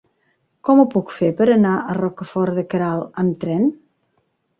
Com ho puc fer per anar a Rocafort de Queralt amb tren?